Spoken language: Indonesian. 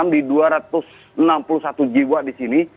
di dua ratus enam puluh satu jiwa di sini